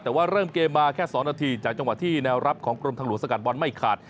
แต่ว่าเริ่มเกมมาแค่๒นาทีจากจังหวะที่แนวรับของกรมทางหลวงสกัดบอลไม่ขาด